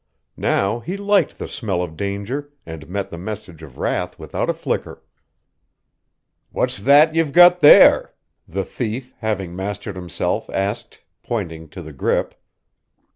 Now he liked the smell of danger and met the message of wrath without a flicker. "What's that you've got there?" the thief, having mastered himself, asked, pointing to the grip.